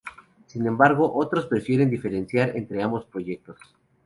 Sin embargo, otros prefieren diferenciar entre ambos proyectos.